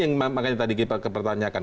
yang makanya tadi kita pertanyakan